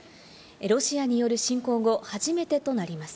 ロシアによる侵攻後、初めてとなります。